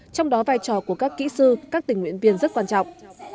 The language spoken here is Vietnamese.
trong đó vai trò của các kỹ sư các tình nguyện viên rất quan trọng